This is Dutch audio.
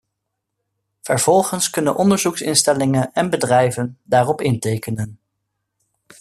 Vervolgens kunnen onderzoeksinstellingen en bedrijven daarop intekenen.